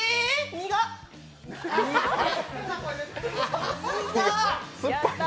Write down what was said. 苦っ！